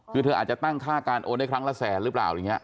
คือเธออาจจะตั้งค่าการโอนได้ครั้งละแสนหรือเปล่าอย่างนี้